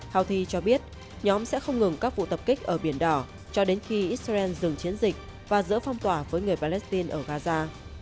houthi cho biết nhóm sẽ không ngừng các vụ tập kích ở biển đỏ cho đến khi israel dừng chiến dịch và dỡ phong tỏa với người palestine ở gaza